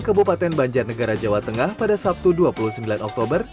kebupaten banjarnegara jawa tengah pada sabtu dua puluh sembilan oktober